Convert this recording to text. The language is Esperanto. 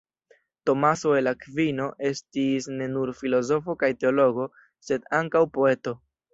Tomaso el Akvino estis ne nur filozofo kaj teologo, sed ankaŭ poeto.